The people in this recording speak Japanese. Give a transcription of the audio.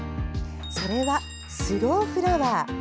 それは「スローフラワー」。